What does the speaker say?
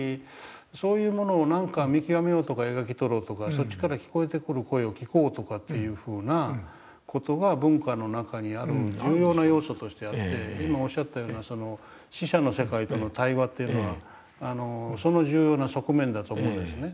そっちから聞こえてくる声を聞こうとかっていうふうな事が文化の中にある重要な要素としてあって今おっしゃったような死者の世界との対話というのはその重要な側面だと思うんですね。